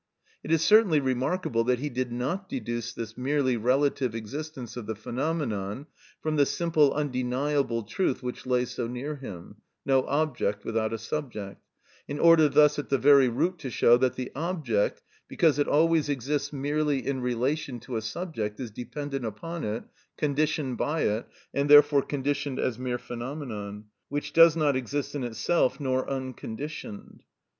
It is certainly remarkable that he did not deduce this merely relative existence of the phenomenon from the simple undeniable truth which lay so near him, "No object without a subject," in order thus at the very root to show that the object, because it always exists merely in relation to a subject, is dependent upon it, conditioned by it, and therefore conditioned as mere phenomenon, which does not exist in itself nor unconditioned.